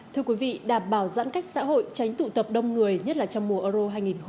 thưa quý vị đảm bảo giãn cách xã hội tránh tụ tập đông người nhất là trong mùa euro hai nghìn hai mươi bốn